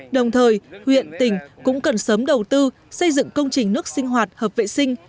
đồng thời huyện tỉnh cũng cần sớm đầu tư xây dựng công trình nước sinh hoạt hợp vệ sinh